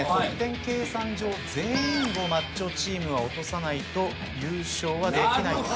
得点計算上全員をマッチョチームは落とさないと優勝はできない。